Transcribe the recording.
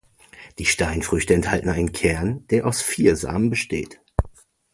Die Steinfrüchte enthalten einen Kern, der aus vier Samen besteht.